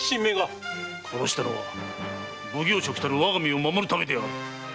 殺したのは奉行職たる我が身を守るためであろう。